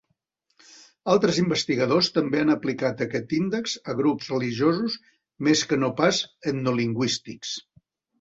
Altres investigadors també han aplicat aquest índex a grups religiosos més que no pas etnolingüístics.